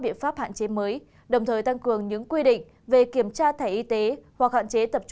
biện pháp hạn chế mới đồng thời tăng cường những quy định về kiểm tra thẻ y tế hoặc hạn chế tập